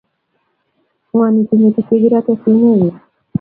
ng'wanitu metit ye kerate sumek kuk